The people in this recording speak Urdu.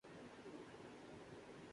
فلم زیرو کے ساتھ تیزی سے بچہ بن رہا ہوں